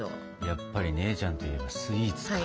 やっぱり姉ちゃんといえばスイーツか。